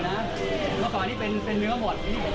แล้วก็อันนี้เป็นเนื้อหมดนี่จัดให้อย่างนี้เลย